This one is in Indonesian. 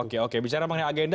oke oke bicara mengenai agenda